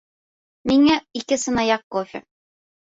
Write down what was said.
Миңә ике сынаяҡ кофе